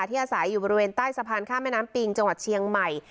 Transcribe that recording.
อาศัยอยู่บริเวณใต้สะพานข้ามแม่น้ำปิงจังหวัดเชียงใหม่